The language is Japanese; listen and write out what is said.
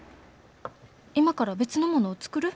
今から別のものを作る？